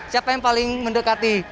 siapa yang paling mendekati